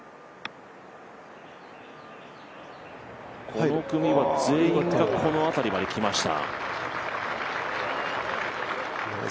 この組は全員がこの辺りまで来ました。